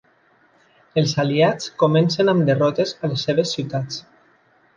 Els aliats comencen amb derrotes a les seves ciutats.